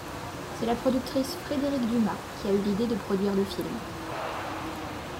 C'est la productrice Frédérique Dumas qui eu l'idée de produire le film.